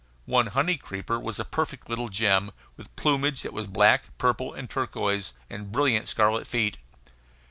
One honey creeper was a perfect little gem, with plumage that was black, purple, and turquoise, and brilliant scarlet feet.